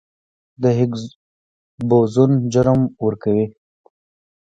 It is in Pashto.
د هیګز بوزون جرم ورکوي.